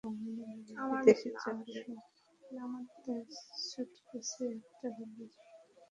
বাঙালি মেয়ে বিদেশে যাওয়ার সময় তার স্যুটকেসে একটা হলেও জামদানি শাড়ি রাখবেই।